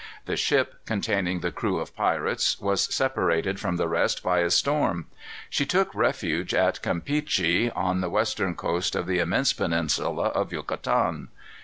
The ship, containing the crew of pirates, was separated from the rest by a storm. She took refuge at Campeachy, on the western coast of the immense peninsula of Yucatan.